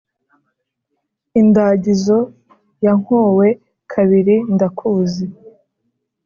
i ndagizo yankowe kabiri ndakuzi